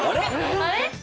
あれ？